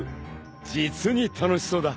［実に楽しそうだ］